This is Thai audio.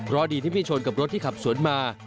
เพราะดีที่ไม่ชนกับรถที่ขับสวนมา